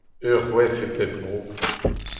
Ur c'hoef e pep bro.